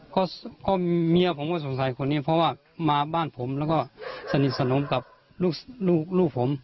ก็เมียผมก็สงสัยคนนี้เพราะว่ามาบ้านผมแล้วก็สนิทสนมกับลูกลูกผม